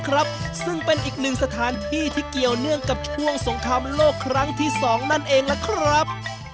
ครับซึ่งเป็นอีกหนึ่งสถานที่ที่เกี่ยวเนื่องกับช่วงสงครามโลกครั้งที่สองนั่นเองล่ะครับ